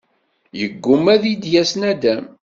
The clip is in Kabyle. Yeggumma ad iyi-d-yas naddam.